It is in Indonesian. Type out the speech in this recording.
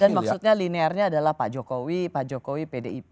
dan maksudnya linearnya adalah pak jokowi pak jokowi pdip pdip pak ganjar